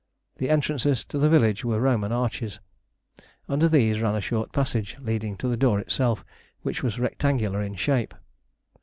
The entrances to the village were Roman arches: under these ran a short passage leading to the door itself, which was rectangular in shape.